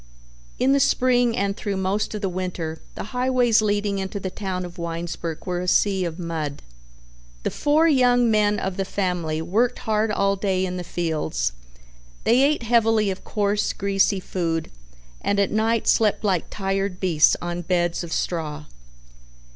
In the spring and through most of the winter the highways leading into the town of Winesburg were a sea of mud. The four young men of the family worked hard all day in the fields, they ate heavily of coarse, greasy food, and at night slept like tired beasts on beds of straw.